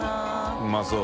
うまそう。